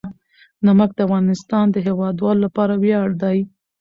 نمک د افغانستان د هیوادوالو لپاره ویاړ دی.